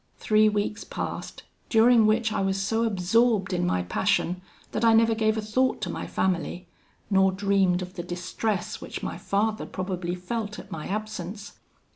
Three weeks passed, during which I was so absorbed in my passion, that I never gave a thought to my family, nor dreamed of the distress which my father probably felt at my absence.